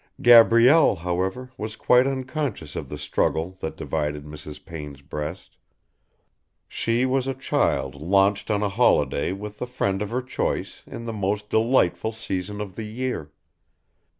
Gabrielle, however, was quite unconscious of the struggle that divided Mrs. Payne's breast. She was a child launched on a holiday with the friend of her choice in the most delightful season of the year.